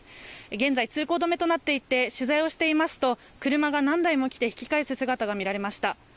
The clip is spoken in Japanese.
現在通行止めとなっていて取材をしていますと車が何台も来て引き返す姿が見られました。